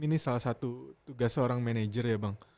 ini salah satu tugas seorang manajer ya bang